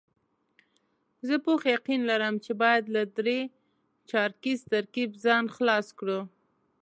زه پوخ یقین لرم چې باید له درې چارکیز ترکیب ځان خلاص کړو.